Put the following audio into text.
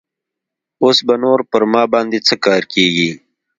اوس به نور پر ما باندې څه کار کيږي.